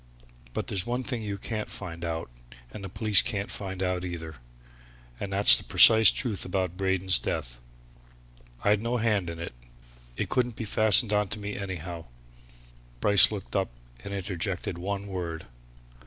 But there's one thing you can't find out, and the police can't find out either, and that's the precise truth about Braden's death. I'd no hand in it it couldn't be fastened on to me, anyhow." Bryce looked up and interjected one word.